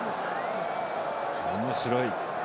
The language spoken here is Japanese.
おもしろい。